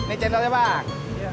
ini cendolnya pak